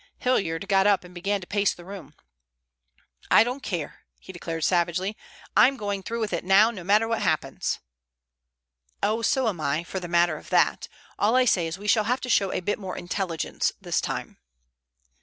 Hilliard got up and began to pace the room. "I don't care," he declared savagely. "I'm going through with it now no matter what happens." "Oh, so am I, for the matter of that. All I say is we shall have to show a bit more intelligence this time."